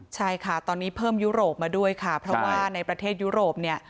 ใช่ค่ะตอนนี้เพิ่มยุโรปมาด้วยค่ะเพราะว่าในประเทศยุโรปเนี่ย